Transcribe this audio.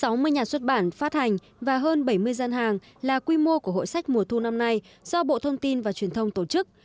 có sáu mươi nhà xuất bản phát hành và hơn bảy mươi gian hàng là quy mô của hội sách mùa thu năm nay do bộ thông tin và truyền thông tổ chức